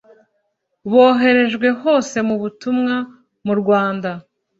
boherejwe hose mu butumwa mu rwanda